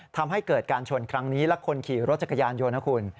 ทำให้เกิดการชนครั้งนี้และคนขี่รถจักรยานยนต์นะคุณ